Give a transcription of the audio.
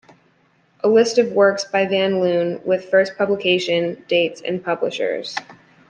A list of works by van Loon, with first publication dates and publishers.